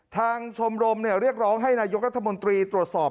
ชมรมเรียกร้องให้นายกรัฐมนตรีตรวจสอบ